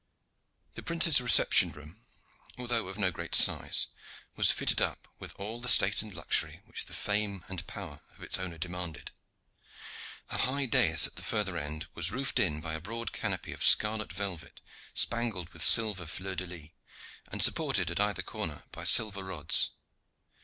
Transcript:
The prince's reception room, although of no great size, was fitted up with all the state and luxury which the fame and power of its owner demanded. A high dais at the further end was roofed in by a broad canopy of scarlet velvet spangled with silver fleurs de lis, and supported at either corner by silver rods.